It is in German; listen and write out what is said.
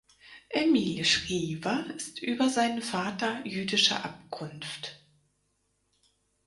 Emile Schrijver ist über seinen Vater jüdischer Abkunft.